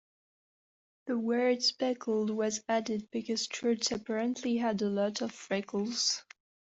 The word "speckled" was added because Trout apparently had "a lot of freckles".